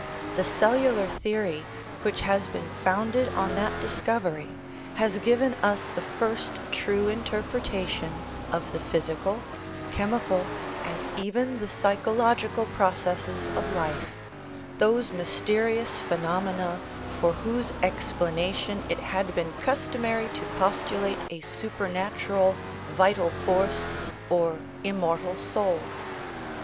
The u cellular theory," which has been founded on that discovery, has given us the first true interpretation of the physical, chemical, and even the psychological processes of life those mysterious phenomena for whose explanation it had been custom ary to postulate a supernatural " vital force " or " im mortal soul."